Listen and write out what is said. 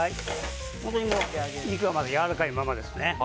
肉はまだやわらかいままですね。